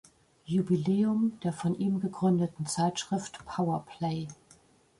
Jubiläum der von ihm gegründeten Zeitschrift Power Play.